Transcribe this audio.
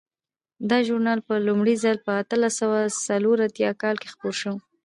دا ژورنال په لومړي ځل په اتلس سوه څلور اتیا کال کې خپور شو.